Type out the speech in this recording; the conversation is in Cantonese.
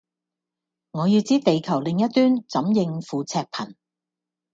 我要知地球另一端怎應付赤貧